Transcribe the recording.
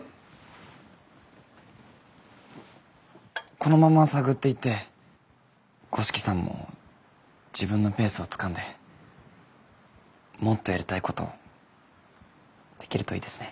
このまま探っていって五色さんも自分のペースをつかんでもっとやりたいことできるといいですね。